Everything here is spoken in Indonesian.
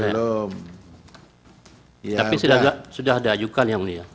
tapi sudah ada ajukan ya mulia